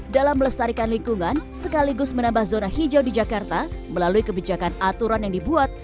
dalam melestarikan lingkungan sekaligus menambah zona hijau di jakarta melalui kebijakan aturan yang dibuat